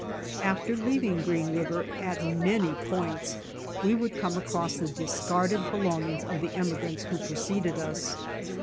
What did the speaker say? After leaving Green river at many points we would come across the discarded belongings of the emigrants wbo preceded us.